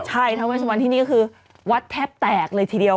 ใช่ทาเวสวันที่นี่ก็คือวัดแทบแตกเลยทีเดียว